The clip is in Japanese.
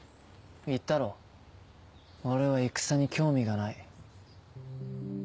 言ったろ俺は戦に興味がない。